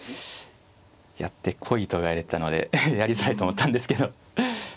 やってこいと言われたのでやりづらいと思ったんですけど。